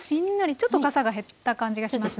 ちょっとかさが減った感じがしますね。